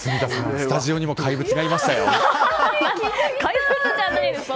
スタジオにも怪物がいましたよ！